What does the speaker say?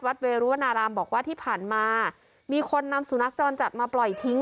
เวรุวนารามบอกว่าที่ผ่านมามีคนนำสุนัขจรจัดมาปล่อยทิ้ง